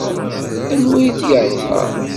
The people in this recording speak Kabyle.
Anwa i t-yerẓan?